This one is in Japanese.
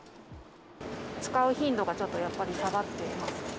使う頻度がちょっとやっぱり下がっていますね。